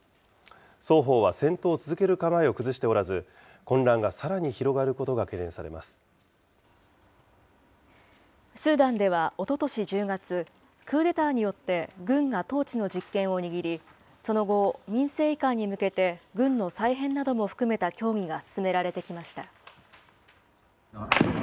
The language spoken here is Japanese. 双方は戦闘を続ける構えを崩しておらず、混乱がさらに広がることスーダンではおととし１０月、クーデターによって軍が統治の実権を握り、その後、民政移管に向けて軍の再編なども含めた協議が進められてきました。